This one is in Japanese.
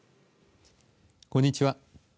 こんにちは。